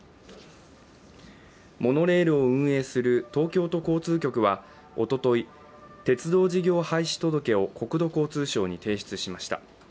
モノレールを運営する東京都交通局はおととい、鉄道事業廃止届を国土交通省に提出しました。